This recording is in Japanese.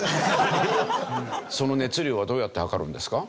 その熱量はどうやって測るんですか？